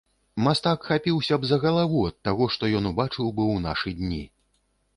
Мастак хапіўся б за галаву ад таго, што ён убачыў бы ў нашы дні.